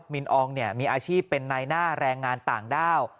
มินอองมีอาชีพเป็นนายหน้าแรงงานต่างด้าว